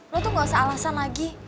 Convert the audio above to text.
lo tuh gak usah alasan lagi